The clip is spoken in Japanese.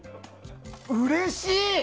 うれしい！